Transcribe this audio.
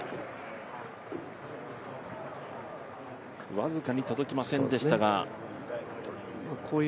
僅かに届きませんでしたが。